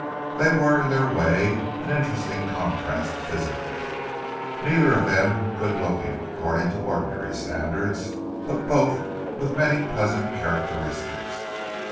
They were, in their way, an interesting contrast physically, neither of them good looking according to ordinary standards, but both with many pleasant characteristics.